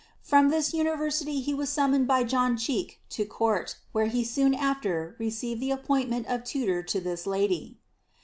From this university he was summoned by John Cheke to court, where he soon after received the appointment of tutor to this lady.